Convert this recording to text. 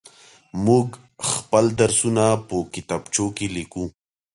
موږ خپل درسونه په کتابچو کې ليكو.